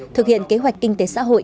thực hiện kế hoạch kinh tế xã hội